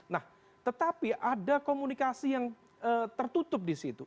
nah tetapi ada komunikasi yang tertutup disitu